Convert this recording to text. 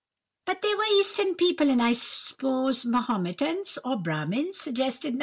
"But they were eastern people, and I suppose Mahometans or Brahmins," suggested No.